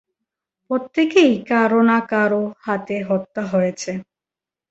প্রত্যেকেই কারো না কারো হাতে হত্যা হয়েছে।